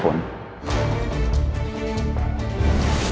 กับสายฝน